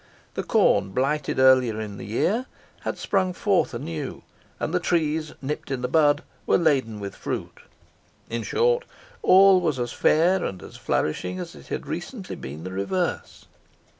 The corn blighted early in the year had sprung forth anew, and the trees nipped in the bud were laden with fruit. In short, all was as fair and as flourishing as it had recently been the reverse.